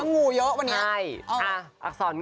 เราพูดถึงเรื่องงูเยอะวันนี้